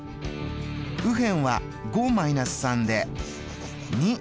右辺は５−３で２。